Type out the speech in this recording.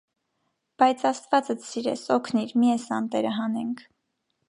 Բայց աստվածդ սիրես, օգնիր, մի էս անտերը հանենք: